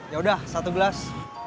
ya udah satu gelas